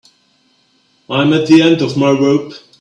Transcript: I'm at the end of my rope.